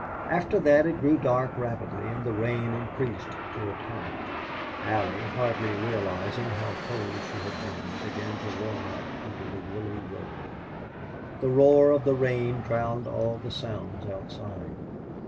After that it grew dark rapidly, and the rain increased to a torrent. Allie, hardly realizing how cold she had been, began to warm up under the woolly robe. The roar of the rain drowned all other sounds outside.